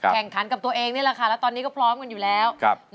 แข่งขันกับตัวเองนี่แหละค่ะแล้วตอนนี้ก็พร้อมกันอยู่แล้ว